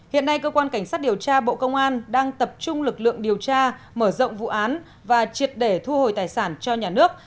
hiện nay cơ quan cảnh sát điều tra bộ công an đang tập trung lực lượng điều tra mở rộng vụ án và triệt để thu hồi tài sản cho nhà nước